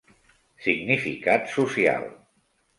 Significat social.